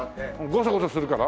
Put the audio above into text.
ゴソゴソするから？